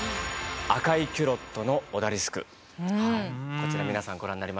こちら皆さんご覧になりましたよね。